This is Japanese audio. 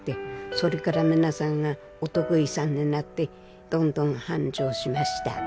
それから皆さんがお得意さんになってどんどん繁盛しました。